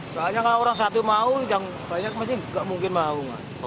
soalnya kalau orang satu mau yang banyak masih nggak mungkin mau